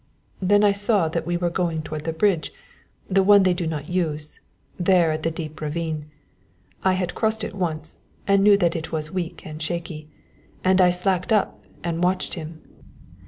"Then I saw that we were going toward the bridge, the one they do not use, there at the deep ravine. I had crossed it once and knew that it was weak and shaky, and I slacked up and watched him.